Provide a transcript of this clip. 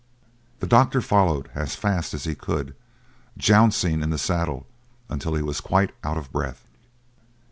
The doctor followed as fast as he could, jouncing in the saddle until he was quite out of breath.